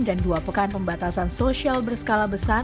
dan dua pekan pembatasan sosial berskala besar